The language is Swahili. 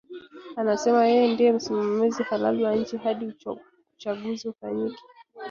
Anasema yeye ndie msimamizi halali wa nchi hadi uchaguzi ufanyike